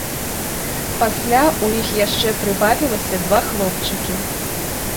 Пасля ў іх яшчэ прыбавілася два хлопчыкі.